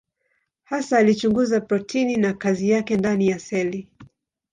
Hasa alichunguza protini na kazi yake ndani ya seli.